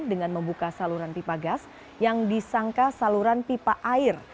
dengan membuka saluran pipa gas yang disangka saluran pipa air